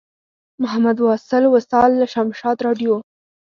محمد واصل وصال له شمشاد راډیو.